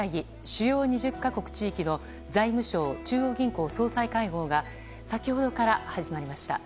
・主要２０か国地域の財務省・中央銀行総裁会合が先ほどから始まりました。